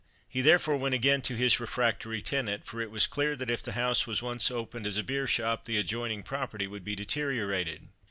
He, therefore, went again to his refractory tenant, for it was clear that if the house was once opened as a beer shop, the adjoining property would be deteriorated.